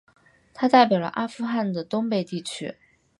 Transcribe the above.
他代表了阿富汗的东北地区。